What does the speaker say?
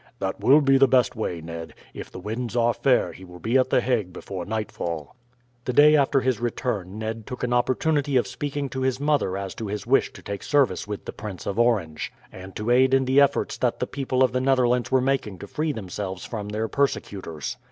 "That will be the best way, Ned. If the winds are fair he will be at the Hague before nightfall." The day after his return Ned took an opportunity of speaking to his mother as to his wish to take service with the Prince of Orange, and to aid in the efforts that the people of the Netherlands were making to free themselves from their persecutors.